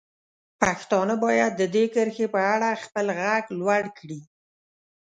پښتانه باید د دې کرښې په اړه خپل غږ لوړ کړي.